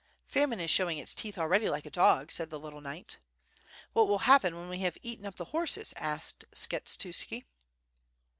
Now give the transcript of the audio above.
"Famine is showing its teeth already like a dog," said the little knight. "What will happen when we have eaten up the horses? asked Skshetuski.